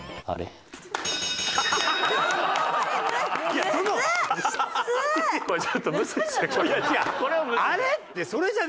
「あれ？」